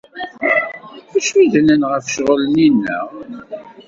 D acu i d-nnan ɣef ccɣel-nni-nneɣ?